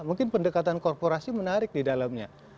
mungkin pendekatan korporasi menarik di dalamnya